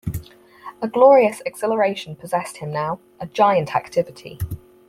A glorious exhilaration possessed him now, a giant activity.